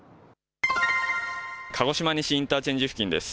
鹿児島西インターチェンジ付近です。